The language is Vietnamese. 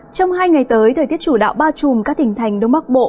trong hai ngày tới thời tiết chủ đạo ba chùm các tỉnh thành đông bắc bộ